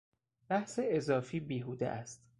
بحث اضافی بیهوده است.